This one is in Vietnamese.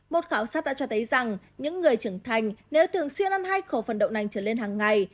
một khảo sát đã cho thấy rằng những người trưởng thành nếu thường xuyên ăn hay khẩu phần đậu nành trở lên hàng ngày